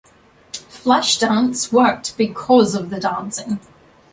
"Flashdance" worked because of the dancing.